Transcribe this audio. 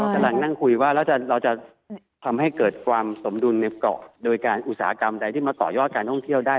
กำลังนั่งคุยว่าแล้วเราจะทำให้เกิดความสมดุลในเกาะโดยการอุตสาหกรรมใดที่มาต่อยอดการท่องเที่ยวได้